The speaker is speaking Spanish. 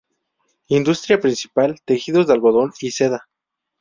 Industria principal: Tejidos de algodón y seda.